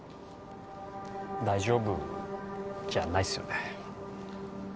大丈夫じゃないっすよね。